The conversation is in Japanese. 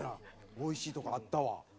おいしいとこあったわ。